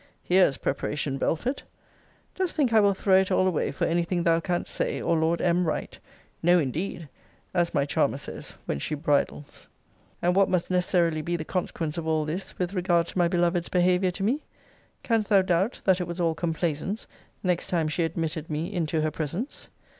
Here's preparation, Belford! Dost think I will throw it all away for any thing thou canst say, or Lord M. write? No, indeed as my charmer says, when she bridles. And what must necessarily be the consequence of all this with regard to my beloved's behaviour to me? Canst thou doubt, that it was all complaisance next time she admitted me into her presence?